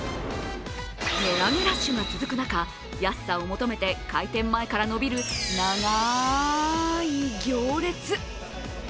値上げラッシュが続く中安さを求めて開店前から伸びる長い行列。